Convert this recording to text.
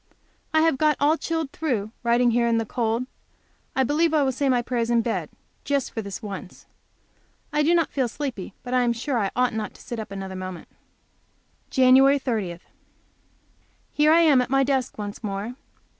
I have got all chilled through, writing here in the cold. I believe I will say my prayers in bed, just for this once. I do not feel sleepy, but I am sure I ought not to sit up another moment. JAN. 30. Here I am at my desk once more.